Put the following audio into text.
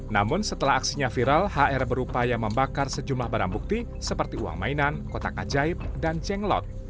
namun setelah aksinya viral hr berupaya membakar sejumlah barang bukti seperti uang mainan kotak ajaib dan jenglot